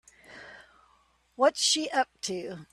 What's she up to?